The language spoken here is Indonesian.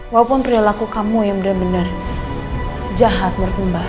walaupun perilaku kamu yang benar benar jahat menurut mbak